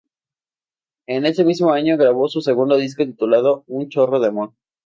En ese mismo año grabó su segundo disco titulado "Un Chorro de Amor".